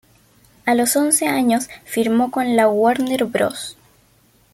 A los once años firmó con la Warner Bros.